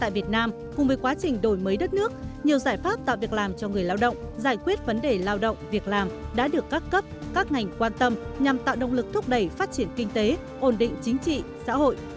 việt nam cùng với quá trình đổi mới đất nước nhiều giải pháp tạo việc làm cho người lao động giải quyết vấn đề lao động việc làm đã được các cấp các ngành quan tâm nhằm tạo động lực thúc đẩy phát triển kinh tế ổn định chính trị xã hội